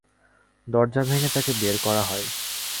দরজা ভেঙে তাঁকে বের করা হয়।